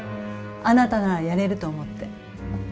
あなたならやれると思って。